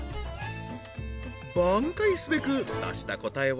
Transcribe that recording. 挽回すべく出した答えは？